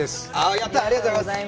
やった、ありがとうございます。